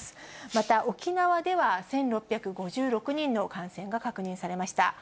また沖縄では１６５６人の感染が確認されました。